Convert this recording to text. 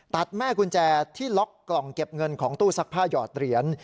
แม่กุญแจที่ล็อกกล่องเก็บเงินของตู้ซักผ้าหยอดเหรียญ